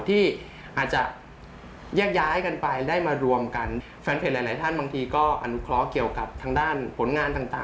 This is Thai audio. ที่อาจจะยากย้ายกันไปได้มารวมกัน